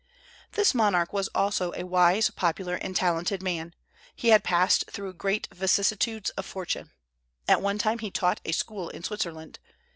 This monarch was also a wise, popular, and talented man. He had passed through great vicissitudes of fortune. At one time he taught a school in Switzerland.